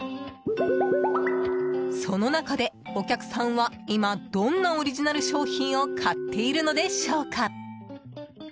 その中でお客さんは今、どんなオリジナル商品を買っているのでしょうか？